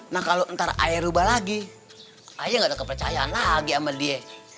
nah kalau nanti ayah rubah lagi ayah gak ada kepercayaan lagi sama dia